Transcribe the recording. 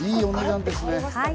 いいお値段ですね。